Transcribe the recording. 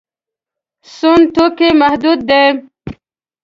سون توکي محدود دي.